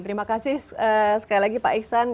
terima kasih sekali lagi pak iksan